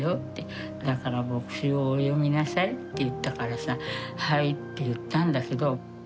「だから墨子をお読みなさい」って言ったからさ「はい」って言ったんだけど。